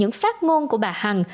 những phát ngôn của bà hằng